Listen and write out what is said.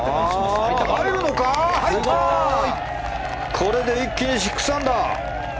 これで一気に６アンダー！